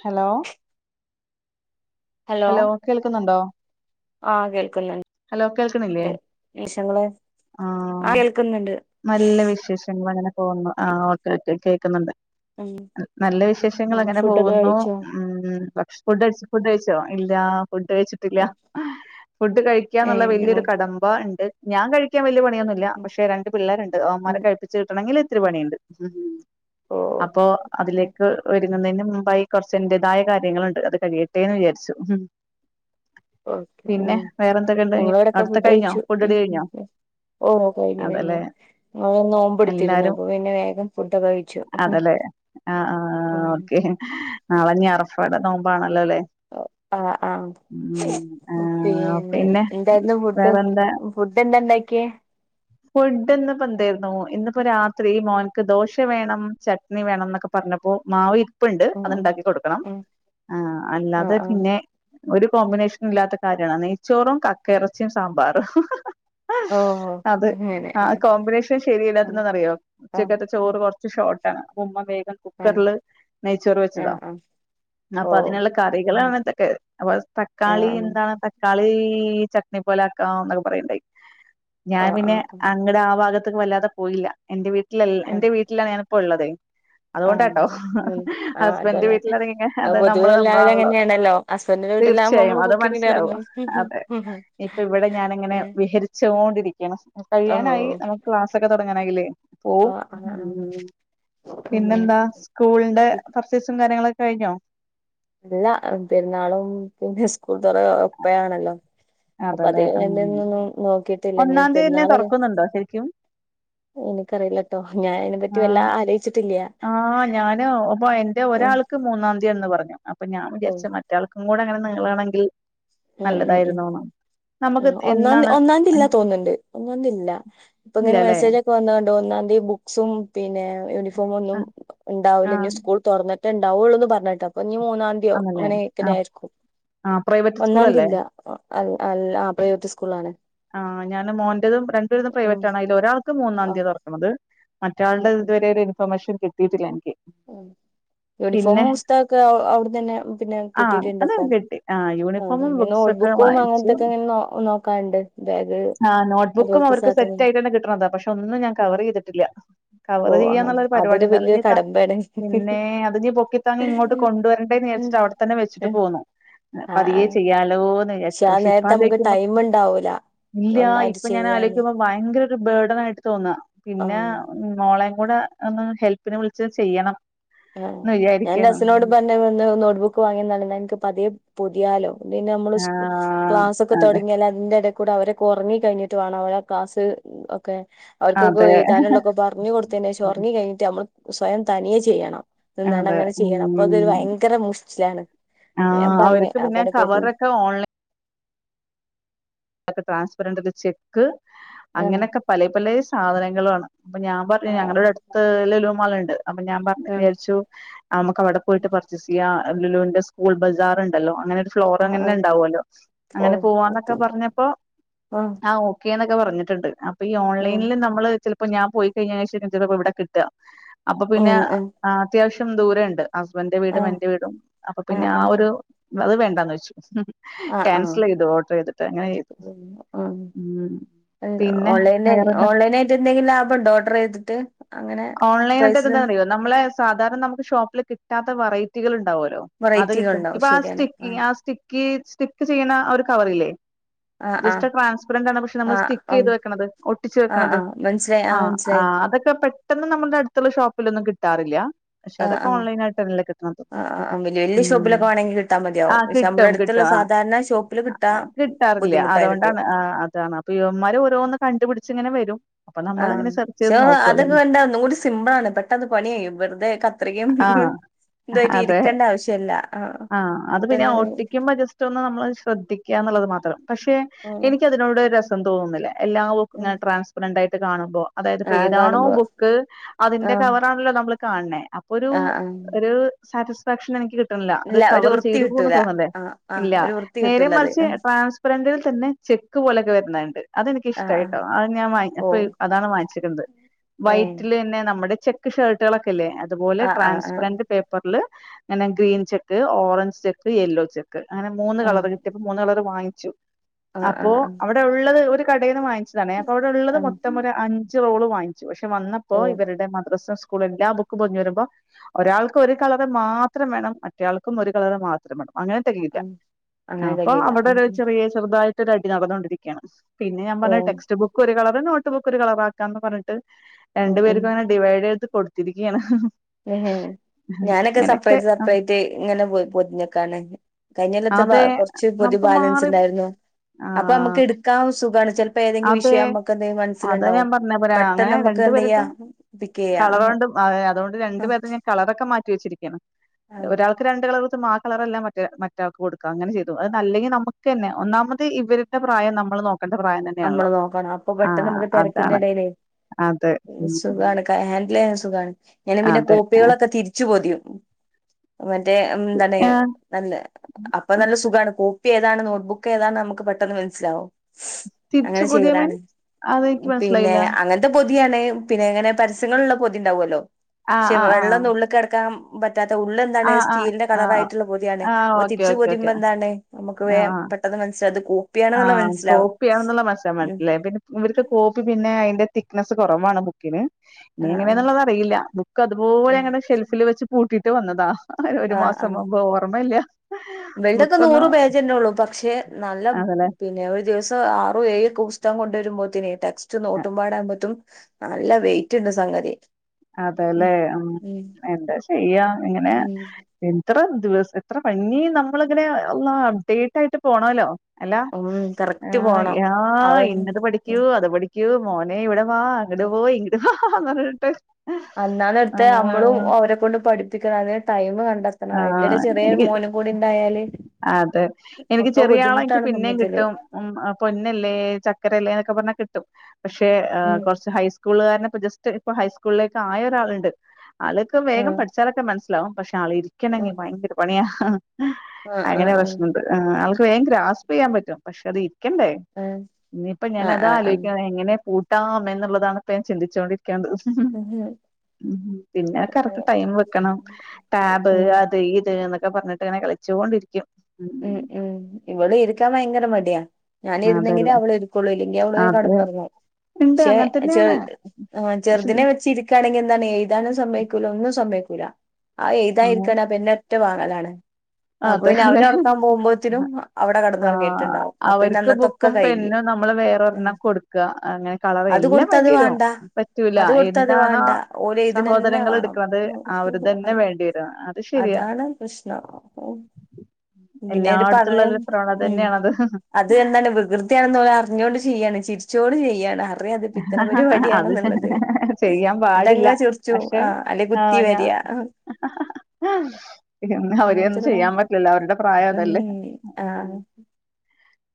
hello hello കേൾക്കുന്നുണ്ടോ ആഹ് hello കേൾക്കണില്ലേ കേൾക്കുന്നുണ്ട് നിഷങ്ങള് ആഹ് അഹ് കേൾക്കുന്നുണ്ട് നല്ല വിശേഷങ്ങള് അങ്ങനെ പോകുന്നു ആഹ് ഓക്കെ ക്കെ കേൾക്കുന്നുണ്ട് ഉം നല്ല വിശേഷങ്ങൾ ഉം അങ്ങനെ ഫുഡൊക്കെ പോകുന്നു കഴിച്ചോ ഉം ഭക്ഷ ഫുഡ് കഴിച്ച ഫുഡ് കഴിച്ച ചോ ഇല്ല ഫുഡ് കഴിച്ചിട്ടില്ല ഫുഡ് കഴിക്കാന്നുള്ള ഏഹ് ഞങ്ങള് വലിയൊരു കടമ്പ ഉണ്ട് ഞാൻ കഴിക്കാൻ വലിയ പണിയൊന്നുമില്ല ഉം പക്ഷെ രണ്ട് പിള്ളേരുണ്ട് ഉം അവന്മാരെ കഴിപ്പിച്ച് കിട്ടണെങ്കിൽ ഇത്തിരി ഉം പണിയുണ്ട് ഓക്കെ അപ്പോ അതിലേക്ക് ഒരു ന്നതിന് മുമ്പായി കുറച്ചന്റേതായ കാര്യങ്ങളുണ്ട് അത് കഴിയട്ടെന്ന് വിചരിച്ചു വേറെന്തൊക്കെയുണ്ട് [inaudible] ഇവിടൊക്കെ അടുത്ത ഫുഡ് കഴിഞ്ഞോ കഴിച്ചു ഫുഡടി കഴിഞ്ഞോ ഉം ഓഹ് കഴിഞ്ഞു കഴിഞ്ഞു അതല്ലേ [unintelligible] നോമ്പെടുത്തിരുന്നു എല്ലാരും അപ്പൊ പിന്നെ വേഗം ഫുടൊക്കെ കഴിച്ചു ആഹ് ആഹ് ഉം ഓക്കേ നാളെ അറഫടെ നോമ്പ ആണല്ലോ അല്ലേ ആഹ് ആഹ് ഉം ആ പിന്നെ എന്തായിരുന്നു ഫുഡ് വേറെന്താ ഫുഡ് എന്താ ഇണ്ടാക്കിയെ ഫുഡ് ഇന്ന് ഇപ്പ എന്തേര്ന്നു ഇന്ന്പ്പോ രാത്രി മോൻക്ക് ദോശ വേണം ച ട്ട്ണി വേണം ന്നൊക്കെ പറഞ്ഞപ്പോ മാവ് ഇ പ്പ്ണ്ട് ഉം അത് ഉം ഇണ്ടാക്കി കൊടുക്കണം ഉം ആഹ് ആഹ് അല്ലാതെ ആഹ് പിന്നെ ഒരു കോമ്പിനേഷ്നും ഇല്ലാത്ത കാര്യണ് നെയ്ച്ചോറും കക്ക എറച്ചിം സാമ്പാറും ഓഹ് അത് അങ്ങനെ ആ കോമ്പിനേഷൻ ശരിയല്ലാത്തത് ആഹ് ന്തന്നാ അറിയോ ആഹ് ഉച്ചക്കത്തെ ചോ ചോറ് കൊറച്ച് ഷോട്ടാൺ അപ്പ ഉമ്മ വേഗം ആഹ് കുക്കർല് നെയ്ച്ചോറ് വെച്ചതാ ആഹ് ഓ അപ്പൊ അതിന്ള്ള ഉം കറികളാണ് ഇതക്കെ അപ്പൊ ആഹ് തക്കാളി ആഹ് എന്താണ് തകാളീ ചട്നി പോലെ ആക്കാം ന്നൊക്കെ പറിയ്ണ്ടായി ഞാൻ പിന്നെ ആഹ് നിങ്ങടെ ആ ഭാഗത്ത്ക്ക് വല്ലാതെ പോയില്ല എന്റെ വീട്ടിലല്ല ആഹ് എന്റെ വീട്ട്ലാണ് ഞാനിപ്പോ ഇള്ളതേ [inaudible] അത്കൊണ്ടാട്ടോ ഉം ആഹ് ഹസ്ബന്റ് അതെല്ലേ വീട്ടി ലാണങ്ങി അത് പൊതുവെ നമ്മള് എല്ലാവരും നമ്മളാണല്ലോ അങ്ങനെയാണല്ലോ ഹസ്ബൻഡിന്റെ വീട്ടിലാകുമ്പോ തീർച്ചയായും നമ്മള് അത് കുക്കിങ്ങിന് മനസ്സിലാവും ഇറങ്ങും അതെ ഓഹ് ഇപ്പ ഇവിടെ ഞാൻ ഇങ്ങനെ ആഹ് വിഹരി ചൊണ്ടിരിക്കാണ് കഴിയാനായി നമുക്ക് ക്ലാസൊക്കെ തൊടങ്ങാനായില്ലേ പോവും ആഹ് ആഹ് ഉം പിന്നെന്താ സ്കൂളിന്റെ പർച്ചേസും കാര്യങ്ങളൊക്ക കഴിഞ്ഞോ ഇല്ല പെരുന്നാളും പിന്നെ സ്കൂൾ തൊറ ഒപ്പാണല്ലോ അപ്പൊ അത് അതല്ലെ ഉം വേണ്ടന്നൊന്നും നോക്കിട്ടില്ല ഇഞ് ഒന്നാം തീയതി തന്നെ പെരുന്നാളത് തുറക്കുന്നുണ്ടോ ശരിക്കും എനിക്കറിയില്ലട്ടോ ഞാൻ അതിനെ പറ്റി വല്ലാ ആഹ് ആലോയ്ച്ചിട്ട്ല്ല്യ ഉം ക്ക് മൂന്നാംതിയാണ്ന്ന് പറഞ്ഞു അപ്പൊ ഞാ വിചാരിച്ച് മറ്റാൾക്കും കൂടെ അങ്ങനെ നീളാണെങ്കിൽ ഉം ഉം ഉം നല്ലതായിരുന്നൂന്ന് ആഹ് ഒന്നാന്തി ഒന്നാന്തില്ലാ തോന്ന്ണ്ട് ഒന്നാന്തില്ല പ്പങ്ങനെ ഇല്ലല്ലേ മെസ്സേജ് ക് വന്നാണ്ടു ഒന്നാന്തി ബുക്സും പിന്നെ യൂനിഫോമൊന്നും ആഹ് ഇണ്ടാവൂല ആഹ് ഞ് സ്കൂൾ തൊർന്ന്ട്ടേ ഇണ്ടാവൊള്ളൂന്ന് പർഞ്ഞേട്ട് അപ്പഞ് മൂന്നാന്തിയോ ആണല്ലേ അങ്ങനെ ആഹ് ക്കന്നായിരിക്കും ആഹ് പ്രൈവറ്റ് സ്കൂളല്ലേ ഒന്നാന്തില്ല അൽ അല്ല ആഹ് പ്രൈവറ്റ് സ്കൂള്ളാണ് ആഹ് ഞാന് മോന്റെതും രണ്ടുപേരതും പ്രൈവറ്റ് ആണ് അയ്ലൊരാൾക്ക് ആഹ് മൂന്നന്തിയാ തൊർക്ക്‌ണത് ഉം മറ്റാൾടേ ഉം ഇതുവരെ ഒര് ഇൻഫർമേഷൻ കിട്ടിട്ടില്ല ഇൻക്ക് ഉം യൂണിഫോമും പുസ്തകൊക്കെ അവ് അവ്ട്ന്നെന്നെ പിന്നെ ആഹ് അത് കിട്ടീട്ട്ണ്ട്പ്പൊ കിട്ടി ആഹ് യൂണിഫോമും നോ ബുക്സ് ഒക്കെ ബുക്കും വാങ്ങിച്ചു അങ്ങൻത്തൊക്കങ്ങനെ നോ നോക്കാണ്ട് ആഹ് നോട്ട്ബുക്കും അവർക്ക് സെറ്റായിട്ടെന്നെ കിട്ട്ണതാ പക്ഷെ ഒന്നും ഞാ കവറീതിട്ടില്ല കവറ് ഓഹ് ആഹ് ച്യ്യാന്നുള്ളൊരു അതൊരു പരിവാടിണ്ട് വലിയൊരു അത്ഞ് ത പിന്നേ അത്ഞ് പൊക്കിത്താങ്ങി ഇങ്ങോട്ട് കടമ്പയാണ് കൊണ്ടുവരണ്ടേന്ന് വിചാരിച്ചിട്ട് അവടെ ത്തന്നെ വെച്ചിട്ട് ആ പോന്നു ആ പതിയേ ചെയ്യാലോന്ന് വിചാരിച്ചിട്ട് ആ പക്ഷെ നേരത്തെ നമുക്ക് ഇപ്പാലോയ്ക്കുമ്പ ടൈം ഉണ്ടാവൂല ഇല്ലാ ഒന്നായിട്ട് ഇപ്പ ഞാൻ ചെയ്യാന് ആലോയ്ക്കുമ്പ ഭയങ്കര ഒരു ബേഡൻ ആയിട്ട് തോന്നാ പിന്നെ ആഹ് ഉം മോളേം കൂടെ ഒന്ന് ഹെൽപ്പിന് വിളിച്ച് ചെയ്യണം ആഹ് ന്ന് ഞാൻ ന്റെ വിചാരിക്കാണ് ഹസ്സിനോട് പർഞ്ഞെ വന്ന് നോട്ട് ബുക്ക് വാങ്ങിയന്നാണിം ന്നാ ൻക്ക് പതിയെ പൊതിയാലോ പിന്നെ നമ്മള് സ് ആഹ് ക്ലാസൊക്കെ അതെ തൊടങ്ങാൽ അതിന്റെടേ കൂടെ അവരൊക്കൊറങ്ങി കഴിഞ്ഞിട്ടു വാണം അവരാ ക്ലാസ് ഒക്കെ അവർക്കൊക്കെ അതെ എഴ്താനുള്ളൊക്കെ പറഞ് കൊട്ത്തേന്റെഷം ഒറങ്ങി കഴിഞ്ഞിട്ട് നമ്മള് സ്വയം തനിയെ ചെയ്യണം അതെ നിന്നാണ്ടങ്ങനെ ചെയ്യണം അപ്പൊ അതൊരു ഉം ഭയങ്കര മുശ്ച്ചിലാണ് ഞാൻ ആഹ് പർഞ്ഞെ അവർക്ക് പിന്നെ അപ [unintelligible] കവറൊക്കെ ഓൺലൈൻ ക്കെ ട്രാൻസ്പെറന്റ് ചെക്ക് ആഹ് അങ്ങനൊക്കെ പലേ പലേ സാധനങ്ങളാണ് അപ്പ ഞാ പർഞ്ഞു ആഹ് ഞങ്ങളടെ അട്ത്ത് ലുലു മാള്ണ്ട് അപ്പ ഞാൻ പർഞ് ആഹ് വിചാരിച്ചു ആമ്മക്കവടെ പോയിട്ട് പർച്ചേസിയ്യാ ലുലുന്റെ സ്കൂൾ ബസാർണ്ടല്ലോ അങ്ങനെ ഒര് ആഹ് ആഹ് ഫ്ലോറങ്ങനെന്നെണ്ടാവോല്ലോ ഓ അങ്ങനെ പോവാന്നൊക്കെ പർഞ്ഞ ആഹ് ആഹ് ഓക്കേന്നൊക്കെ പറഞ്ഞിട്ടുണ്ട് അപ്പൊ ഈ ഓൺലൈനില് നമ്മള് ചെല പ്പൊ ഞാൻ പോയി കഴിഞ്ഞീനേശേ ചെലപ്പോവിടെ കിട്ട അപ്പൊ പിന്നെ ആഹ് അത്യാവശ്യം ദൂരണ്ട് ഹസ്ബന്റെ വീടും ആഹ് എന്റെ വീടും അപ്പൊ ആഹ് പിന്നെ ആ ആഹ് ഒരു അത് വേണ്ടാന്ന് വെച്ചു ആഹ് ആഹ് ക്യാൻസലെയ്തു ഓർഡറെയ്തിട്ട് അങ്ങനെ ചെയ്തു ഉം പിന്നെ ഓൺലൈന് വേറെന്താ ഓൺലൈനായിട്ട് എന്തെങ്കിലും ലാഭണ്ടോ ഓർഡറെയ്തിട്ട് അങ്ങനെ ഓൺലൈനായിട്ട് പ്രയ്സിലും എന്താന്നറിയോ നമ്മളെ സാധാരണ നമുക്ക് ഷോപ്പില് കിട്ടാത്ത വറൈറ്റികള്ണ്ടാവോലോ അത് വെറൈറ്റികൾ കിട്ടും ഉണ്ടാവും ഇപ്പൊ ആ ശരിയാണ് സ്റ്റിക്ക് ആഹ് ആ സ്റ്റിക്കി സ്റ്റിക്ക് ചെയ്യ്ണ ഒരു കവറില്ലേ ആഹ് ആഹ് ജസ്റ്റ് ട്രാൻസ്പെരന്റ് ആണ് പക്ഷെ നമ്മൾ ആഹ് സ്റ്റിക്ക് ആഹ് ചെയ്ത് വെക്ക്‌ണത് ഒട്ടിച്ച് ആഹ് വെക്ക്‌ണത് ആഹ് മനസ്സിലായി ആഹ് മനസ്സിലായി ആഹ് അതൊക്കെ പെട്ടെന്ന് നമ്മളുടെ അടുത്തുള്ള ഷോപ്പിലൊന്നും കിട്ടാറില്ല പക്ഷെ ആഹ് അതൊക്കെ ആഹ് ഓൺലൈനായിട്ടല്ലേ കിട്ട്ണത് ആഹ് ആഹ് വല്യ വല്യ ഉം ഷോപ്പിലൊക്കെ വേണമെങ്കിൽ കിട്ടാൻ മതിയാവും ആഹ് പക്ഷെ നമ്മള കിട്ടും അടുത്തുള്ള കിട്ടും ആഹ് സാധാരണ ഷോപ്പിൽ കിട്ടാൻ [unintelligible] കിട്ടാറില്ല ബുദ്ധിമുട്ടായിരിക്കും അതോണ്ടാണ് ആഹ് അതാണ് അപ് പ്പിവന്മാര് ഓരോന്ന് കണ്ടുപിടിച്ച്ങ്ങനെ വരും അപ്പൊ ആഹ് നമ്മളിങ്ങനെ സെർച്ച് ക്ഷേ ചെയ്ത് നോക്കും അതൊക്കെ അതന്നെ കണ്ടാ ഒന്നും കൂടി സിംമ്പിളാണ് പെട്ടന്ന് പണികയ്യും വെറുതേ കത്രികയും ആ ഇതായിട്ട് അതെ ഇരിക്കേണ്ട ആവശ്യല്ല ആഹ് അത് പിന്നെ പെട്ടെന്ന് ഒട്ടിക്കുമ്പോ ജസ്റ്റ് ഒന്ന് നമ്മള് ശ്രദ്ധിക്ക് ക്ക്യാന്നുള്ളത് മാത്രം പക്ഷേ ഉം എനിക്കതിനോട് രസ സം തോന്നുന്നില്ല ഉം എല്ലാവക്കുങ്ങനെ ട്രാൻസ്പരന്റായിട്ട് കാണുമ്പോ അതായത്പ്പോ ആഹ് ഏതാണോ കാണുമ്പോ ബുക് ക്ക്‌ അതിന്റെ ആഹ് കവറാണല്ലോ നമ്മള് കാൺണ്ണേ അപ്പൊരു ആഹ് ആഹ് ഒരു സാറ്റിസ്ഫാക്ഷൻ എനിക്ക് കി ട്ട്ണ്ല്ല അത് ഇല്ല ഒരു കവറ് വൃത്തി ചെയ്തുക്കുന്ന് കിട്ടൂല തോന്നണ്ടേ ആഹ് ആഹ് ഇല്ല ഒരു വൃത്തി നേരെ കിട്ടൂലത് മറിച്ച് ട്രാൻസ്പെരന്റിൽ തന്നെ ചെക്ക് പോലൊക്കെ വരുന്നണ്ട് ആഹ് ആഹ് അതെനിക്കിഷ്ടായിട്ടോ അത് ഞാൻ വാങ്ങി ഓ അപ്പൊ അതാണ് വാങ്ങിച്ചേക്ക്‌ണ്ത് ഏഹ് വൈറ്റിലെന്നെ നമ്മുടെ ചെക്ക് ഷർട്ടുകളൊക്കെല്ലേ അതുപോലെ ആഹ് ആഹ് ട്രാൻസ്പെറന്റ് പേപ്പറില് ഇങ്ങനെ green check orange check yellow check അങ്ങനെ മൂന്ന് ആഹ് കളർ കിട്ടി മൂന്ന് കളറ് വാങ്ങിച്ചു ആഹ് അപ്പോ ആഹ് ആഹ് അവിടെ ഉള്ളത് ഒരു കടയിന്ന് വാങ്ങി ച്ചതാണേ അപ്പൊ അവിടെ ഉള്ളത് ആഹ് ആഹ് മൊത്തം ഒരു അഞ്ച് റോള് വാങ്ങിച്ചു പക്ഷെ വന്നപ്പോ ഓ ഇവരുടെ മദ്രസ സ് സ്കൂള് എല്ലാ ബുക്ക് പൊതിഞ് വരുമ്പോ ഒരാൾക്ക് ഒരു കളറ് മാത്രം വേണം മറ്റേയാൾക്കും ഒരു കളറ് മാത്രം വേണം അങ്ങനെ തെകയില്ല ആഹ് അങ്ങനെ അപ്പൊ തികയില്ല അവിടെ ഒരു ചെറിയ ചെറുതായിട്ടൊരടി നടന്നോണ്ടിരിക്ക്യാണ് പിന്നെ ഞാൻ ഓ പറഞ്ഞ് ടെക്സ്റ്റ് ബുക്ക് ഒരു കളറ് നോട്ടുബുക്ക് ഒരു കളറാക്കാന്ന് പറഞ്ഞ്ട്ട് ഉം രണ്ടു ഉം പേർക്കും അങ്ങനെ ഡിവൈഡ് ചെയ്ത് കൊടുത്തിരിക്കയാണ് ഏ ഹേ ഞാനൊക്കെ സപ്രേറ്റ് സപ്രേറ്റ് ഇങ്ങനെ പോത് പൊതിഞ്ഞെക്കാണ് കഴിഞ്ഞൊല്ലത്തെ ബാ അതെ കൊർച്ച് പൊതി നമുക്ക് ബാലൻസ് മാറി ഉണ്ടായ്രുന്നു ആ അപ്പൊ നമ്മക്ക് എടുക്കാം സുഖാണ് ചെൽപ്പ ഏതെങ്കി അതെ വിഷയം നമ്മക്ക് എന്തെങ്കും അതാ മനസ്സിലുണ്ടാവും ഞാൻ പറഞ്ഞ പോരാ അങ്ങനെ പെട്ടെന്ന് നമ്മക്ക് എന്തെയ്യാ പിക്കെയ്യാ അഹാ വാവേ അതുകൊണ്ട് രണ്ടു പേർക്കും ഞാൻ കളറൊക്കെ മാറ്റി വെച്ചിരിക്കാണ് ആഹ് ഒരാൾ ക്ക് രണ്ട് കളറ് വെച്ച ആ കളറല്ലാ മറ്റേ മറ്റ് റ്റാക്ക് കൊടുക്ക അങ്ങനെ ചെയ്തു അതന്നെ അല്ലെങ്കി നമുക്ക് തന്നെ ഒന്നാമത് ഇവരുടെ പ്രായം നമ്മള് നോക് നമ്മള് നോക്കണം അപ്പൊ പെട്ടെന്ന് നമുക്ക് തെരക്കിന്റെ അതാണ് എടെലേ അതെ ഉം സുഖാണ് ക ഹാൻഡ്‌ല് ചെയ്യാൻ സുഖാണ് ഞാന് പിന്ന അതെ കോപ്പികളൊക്ക തിരിച്ചു പൊതിയും മറ്റേ ഉം എന്താണ് ആഹ് തന്നെ അപ്പ നല്ല സുഖാണ് കോപ്പി ഏതാണ് നോട്ട്ബുക്ക് ഏതാണ് നമുക്ക് പെട്ടെന്ന് മനസ്സിലാവും തിരിച്ചു അങ്ങനെ പുതിയ ചെയ്യലാണ് മീൻസ് അത് എനിക്ക് ഉം പിന്നെ മനസ്സിലായില്ല അങ്ങനെ ത്ത പൊതിയാണേ പിന്നെ എങ്ങനെ പരസ്യങ്ങളുള്ള പൊതി ഉണ്ടാകുവല്ലോ ആഹ് ക്ഷേ ആഹ് ആഹ് വെള്ളൊന്നും ഉള്ള്ക്ക്കടക്കാം പറ്റാത്ത ഉള്ള് എന്താണ് ആഹ് ആഹ് സ്റ്റീലിന്റെ ആഹ് കളറായിട്ടുള്ള പൊതിയാണ് ആഹ് അപ്പൊ ഓക്കെ തിരിച്ച് ഓക്കെ ഓക്കെ പൊതിയുമ്പോ എന്താണ് നമുക്ക് ആഹ് വേയം ആഹ് പെട്ടെന്ന് മനസ്സിലാവും ഇത് കോപ്പിയാണെന്നുള്ള മനസ്സിലാവും പ്പിയാണെന്നുള്ള മനസ്സിലാകും ഉം മനസ്സിലായ പിന്നെ ഇവര്ക്ക് കോപ്പി പിന്നെ അയ്ന്റെ തിക്നസ്സ് കൊറവാണ് ബുക്ക്‌ ക്ക്ണ് ഇനി ആഹ് ആഹ് എങ്ങനെന്നുള്ളതറിയില്ല ബുക്ക് അതുപോലെ ഉം അങ്ങനെ ഷെൽഫില് വെച്ച് പൂട്ടിട്ട് വന്നതാ ആഹ് ഒരു മാസം മുമ്പ് ഓർമ്മയില്യാ ഇവൾഡേക്കെ നൂറ് പേജന്നേ ഉള്ളൂ പക്ഷെ നല്ല അതല്ലേ പിന്നെ ഒരു ദിവസം ആറും ഏഴും ഒക്കെ പുസ്തകം കൊണ്ട് വരുമ്പോത്തീനെ ടക് സ്റ്റും നോട്ടുംപാടാമ്പത്തും നല്ല വെയിറ്റ്ണ്ട് സംഗതി അതെല്ലേ ഉം എന്താ ചെയ്യാ ഇങ്ങനെ ഉം പിൻ എത്ര ദിവസ് എത്ര ഭങ്ങി നമ്മളിങ്ങനെ അള്ളാ അപ്ഡേറ്റ് ആയിട്ട് പോണോല്ലോ അല്ലാ ഉം ഉം കറക്റ്റ് ആഹ് പോണം യാഹ് അവൻ എങ്ങനെ പഠിക് ക്കൂ അത് പഠിക്കൂ മോനെ ഇവിടെ വാ അങ്ങട് പോ ഇങ്ങട് വാന്ന് പറഞ്ഞിട്ട് അന്നാന്നടുത്ത് നമ്മളും ആഹ് ഓരെ കൊണ്ട് പഠിപ്പിക്കണം അതിന് ടൈമ് കണ്ടെത്തണം അതിന്റെടെ ആഹ് ചെറിയ എനിക്ക് മോനും കൂടിണ്ടായാല് അതെ എനിക്ക് ചെറിയാളെ നിക്ക് പിന്നേം സംഭവത്തില് കിട്ടും ഉം അഹ് പൊന്നല്ലേ ചക്കരല്ലേ എന്നൊക്കെ പറഞ്ഞാ കിട്ടും പക്ഷെ ആഹ് ഉം കൊറച്ച് ഹൈസ്കൂളുകാരനിപ്പ ജസ്റ്റ് ഇപ്പ ഹൈസ്കൂളിലേക്ക് ആയ ഒരാള്ണ്ട് ആള് ക്ക് വേഗം ആഹ് പഠിച്ചാലൊക്കെ മനസ്സിലാവും പക്ഷെ ആള് ഇരിക്കണെങ്കി ആഹ് ഭയങ്കര പണിയാ ആഹ് അങ്ങനെ ആഹ് പ്രശ്നൊണ്ട് ആഹ് ആൾക്ക് വേഗം ഗ്രാസ്പ് ചെയ്യാൻ പറ്റും പക്ഷെ അത് ഇരിക്കണ്ടേ ആഹ് ഇനിപ്പ ഞാനതാ ആഹ് ആലോയിക്കണെ എങ്ങനെ പൂട്ടാം എന്നുള്ളതാണ് ഇപ്പ ഞാൻ ചിന്തിച്ചോണ്ടിരിക്കേണ്ട് ഉം ഉം പിന്നെ കറക്റ്റ് ടൈം വെക്കണം ടാബ് ഉം അത് ഇത് എന്നൊക്കെ പറഞ്ഞിട് ട്ടിങ്ങനെ കളിച്ചോണ്ടിരിക്കും ഉം ഉം ഇവള് ഇരിക്കാ ഭയങ്കര മടിയാ ഉം ഞാനിരുന്നെങ്കിലേ അതല്ലേ അവളിരിക്കുള്ളൂ ഇല്ലെങ്കി അവള് അത് കെടന്നുറങ്ങും ഇണ്ട് ക്ഷെ അങ്ങനെ തന്നെയാണ് ചെറ് ആഹ് പക്ഷെ ചെറുദിനെ വെച്ചിരിക് ക്കാണെങ്കി എന്താണ് എയ്താനും സമ്മയ്ക്കൂല്ല ഒന്നും സമ്മയ്ക്കൂല്ല ആ എഴുതാ ഇരിക്കാനാ പെന്ന് റ്റ വാങ്ങലാണ് അപ്പൊ അതെ പിന്നെ അതെ അവനെ ഒറക്കാൻ പോകുമ്പോത്തിനും അവിടെ ആഹ് കെടന്നൊറങ്ങിയിട്ടുണ്ടാവും അപ്പൊ പിന്നെ അവര്ക്ക് അന്നത്തൊക്കെ ബുക്കും കഴിഞ്ഞ് പെന്നും നമ്മള് ഉം വേറെരെണം കൊടുക് ക്കാ അങ്ങനെ കളർ അത് എല്ലാം കൊടുത്തത് വേണ്ടിവരും വേണ്ട പറ്റൂല അത് കൊടുത്തത് എന്താണോ വേണ്ട ഓല് എഴുതണന്നെ സഹോദരങ്ങൾ വേണം എടുക് ത് അവര് തന്നെ വേണ്ടി വര അത് ശരിയാ പ്രശ്ന പിന്നെ ഒരു എല്ലായിടത്തുള്ള പറയ ഒരു പ്രവണത ഉ തന്നെയാണത് അത് എന്താണ് വികൃതിയാണെന്ന് പോല അറിഞ്ഞുകൊണ്ട് ചെയ്യുകാണ് ചിരിച്ചുകൊണ്ട് ചെയ്യുകാണ് അ പറയാത് പിത്തനപൊരു അത് വലിയണെന്നുള്ളത് ചെയ്യാൻ എന്ന പാടില്ല തെങ്ങ ചൊറിച്ചു ആ അല്ല കുത്തി വലയാ ആ പി അവര് ഒന്നും അങ്ങനത്തൊരു ഉം ചെയ്യാൻ പറ്റ പിള്ളേരുടെ പ്രായം അതല്ലേ ആ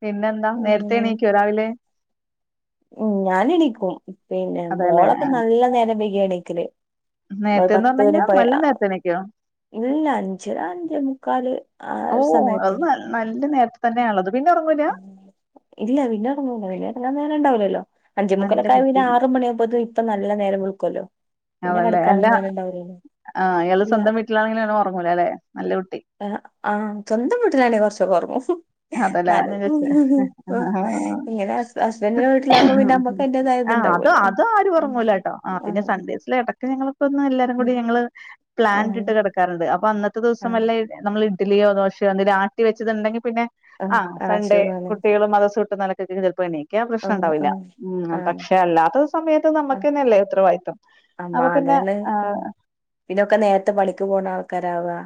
പിന്നെന്താ നേരത്തെേണീക്കോ രാവിലെ ഉം ഞാന ഇണിക്കും പിന്നെ അതെല്ലെ മോളൊക്കെ നല്ല നേരം ബരി എണിക്കല് നേരത്തെന്ന് പറഞ്ഞ് പത്ത്ണ കഴിഞ്ഞാൽ നല്ല നേരത്തെ എണീക്കോ ഇല്ല അഞ്ചര അഞ്ച മുക്കാല് ആ ഓ ഒരു സമയത്ത് അത് നല്ല നേരത്തെ തന്നെയാണത് പിന്നെ ഇറങ്ങ ഇല്ല പിന്നെ ഉറങ്ങല പിന്നെ ഇറങ്ങാൻ നേരംണ്ടാവില്ലല്ലോ അഞ്ചുമ നല്ല മുക്കലൊക്കെൽ കുട്ടി ആറു മണിയ ആമ്പത്തും ഇപ്പൊ നല്ല നേരം വിളക്കുവല്ലോ അതല്ലേ അല്ല ആ് ഇയാള് ഇല്ല സ്വന്തം വീട്ടിലാണെങ്കിലും നെ ഉറങ്ങലേ അല്ലെ നല്ല കുട്ടി ആ ആഹ് സ്വന്തം വീട്ടിലാണെ കുറച്ച ഉറങ്ങും അതല്ലേത ഇങ്ങനെ ഹസ് ഹസ്ബൻഡിന്റെ വീട്ടിലാകുമ്പോ പിന്നെ നമ്മക്ക് [unintelligible] അതിന്റേതായ ഇതുണ്ടാവുമല്ലോ ആരും ഉം ഉറങ്ങൂലട്ടോ ആ പിന്നെ ആഹ് സൺഡേ ഇടക്ക് ഞങ്ങളൊക്കൊന്ന് എല്ലാരും ഉം കൂടി ഞങ്ങള് പ്ലാന് ആഹ് ഇട്ട് കിടക്കാറ്ണ്ട് അപ്പൊ അന്നത്തെ ദിവസം ആഹ് വല്ല നമ്മൾ ഇഡ്ലിയോ ദോശയോ എന്തെലും ആട്ടി വെച്ചത്ണ്ടെങ്കിൽ പിന്നെ ആ ആഹ് ആഹ് സൺഡേ സുഖാണ് കുട്ടികള് മദ്രസ വിട്ടന്ന് നെലക്കൊക്കെ ചിലപ്പോൾ എണീക്കും ക്ക്യ പ്രശ്നം ആഹ് ഇണ്ടാവില്ല ആഹ് ഉം ആഹ് പക്ഷെ അല്ലാത്ത സമയത്ത് നമ്മുക്ക് ആഹ് തന്നെയല്ലേ ഉത്തരവാദിത്തം അപ്പൊ പിന്നെ ആഹ് പിന്നെ ഒക്കെ നേരത്തെ പണിക്ക് പോണ ആൾക്കാരാണ്ല്ലോ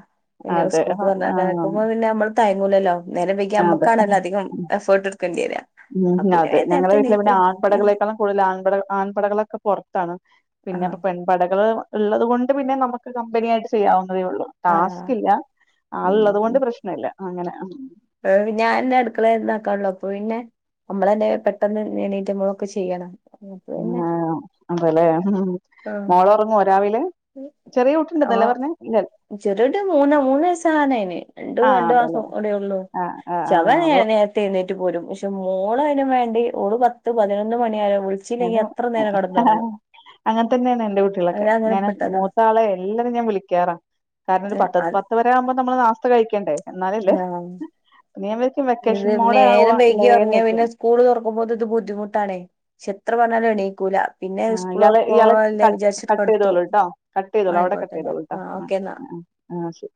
പിന്നെ അതെ സ്കൂൾക്ക് പറഞ്ഞയക്കാനാമ്പൊ ആഹ് പിന്നെ നമ്മൾ തയങ്ങൂലല്ലോ നേരം വൈകി അതെ അമ്മക്കാണല്ലോ അധികം എഫേർട്ട് എടുക്കേണ്ടിരാ ഉം അതെ ഞങ്ങളുടെ വീട്ടില് പിന്നെ ആൺപടെകളേക്കാളും കൂടുതൽ ആൺപട ആൺപടകളൊക്കെ പുറത്താണ് പിന്നെ ആഹ് പെ പടകൾ ഉള്ളത് കൊണ്ട് പിന്നെ നമുക്ക് കമ്പനി ആയിട്ട് ചെയ്യാവുന്നതേ ഉള്ളൂ ആഹ് ടാസ്ക് ഇല്ല അത്‌ ഉള്ളത് കൊണ്ട് പ്രശ്നം ഇല്ല അങ്ങനെ ഏഹ് ഞാൻ ഇന്റെ അടുക്കളെന്ന് ആക്കൊള്ളു അപ്പൊ പിന്നെ നമ്മളന്നെ പെട്ടെന്ന് എണീട്ട് നമ്മളൊക്കെ ചെയ്യണം അപ്പൊ ഉം പിന്നെ ആഹ് അതേലെ ആഹ് മോള് ഉറങ്ങോ രാവിലെ ചെറിയ കുട്ടി ഇണ്ട്ന്നല്ലേ പറഞ്ഞേ ഇല്ല ചെറിയുട്ടി മൂന്നോ മൂന്ന് വയസ്സ് ആവാനായിണ് രണ്ട് ആഹ് രണ്ടു മാസം അതേല്ലേ കൂടി ഉള്ളൂ ആഹ് ആഹ് ആഹ് അത് ശവനന ത്ത്ന്നേറ്റ് പോരും പക്ഷെ മോള് അയിനും വേണ്ടി ഓള് പത്ത് പതിനൊന്ന് മണിയായ വിളിച്ചില്ലെങ്കിൽ എത്ര നേരം കെടന്നൊറങ്ങും അങ്ങനെ തന്നെയാണ് എന്റെ കുട്ട്യാളൊക്കെ അത് ഞാൻ അങ്ങനെപ്പെട്ടതാ മൂത്ത ആളെ എല്ലാരും ഞാൻ വിളിക്കാറാ കാരണം ഒരു പത്ത് അത് പത്തരെ ആവുമ്പോ നമ്മള് നാസ്ത കഴിക്കെണ്ടേ എന്നാലല്ലേ ആഹ് ഇനി ആമ്പളേക്കും വെക്കേഷൻ ഇത് മോഡ ആവ നേരം വൈകി ല്ലേ ഒറങ്ങിയ പിന്നെ സ്കൂള് തുറക്കുമ്പോൾ ഇത് ബുദ്ധിമുട്ടാണ് പക്ഷെ എത്ര പറഞ്ഞാലും എണീക്കൂല പിന്നെ ആ സ്കൂള് ഇയാള് ഇയാള് തൊറക്കോളല്ലേ ക വിചാരിച്ചിട്ട് കട്ട് കെടത്തും ചെയ്തോളൂട്ടോ കട്ട് ചെയ്തോളു അവിടെ ആയിക്കോട്ടെ കട്ട് എന്നാ ചെയ്തോളൂട്ടോ ആ ഓക്കെ എന്നാ ആ ശരി